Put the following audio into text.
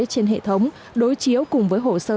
trên hệ thống đối chiếu cùng với hồ sơ